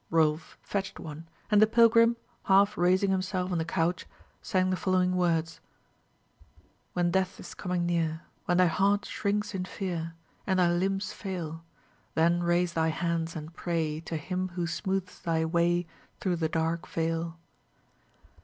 Rolf fetched one; and the pilgrim, half raising himself on the couch, sang the following words: "When death is coming near, When thy heart shrinks in fear And thy limbs fail, Then raise thy hands and pray To Him who smooths thy way Through the dark vale.